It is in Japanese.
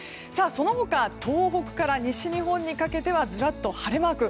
その他東北から西日本にかけてはずらっと晴れマーク。